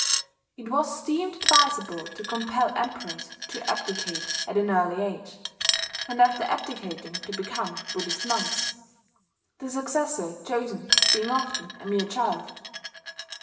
It was deemed advisable to compel Emperors to abdicate at an early age, and after abdicating to become Buddhist monks, the successor chosen being often a mere child.